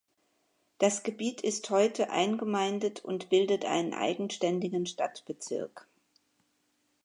Das Gebiet ist heute eingemeindet und bildet einen eigenständigen Stadtbezirk.